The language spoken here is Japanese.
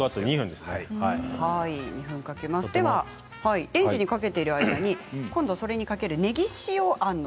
ではレンジにかけている間にそれにかけるねぎ塩あんの